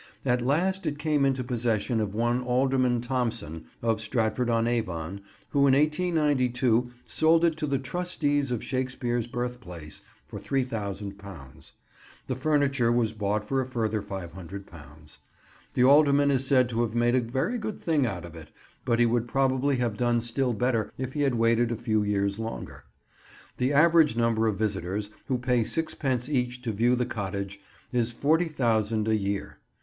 At last it came into possession of one Alderman Thompson, of Stratford on Avon, who in 1892 sold it to the Trustees of Shakespeare's Birthplace, for £3000. The furniture was bought for a further £500. The Alderman is said to have made a very good thing out of it, but he would probably have done still better if he had waited a few years longer. The average number of visitors, who pay sixpence each to view the cottage, is 40,000 a year.